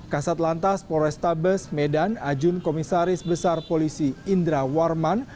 kasat lantas polrestabes medan ajun komisaris besar polisi indra warman